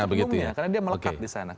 penutup umumnya karena dia melekat di sana